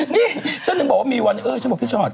นี่ฉันถึงบอกว่ามีวันนี้เออฉันบอกพี่ชอต